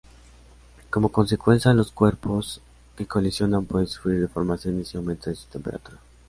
Como consecuencia, los cuerpos que colisionan pueden sufrir deformaciones y aumento de su temperatura.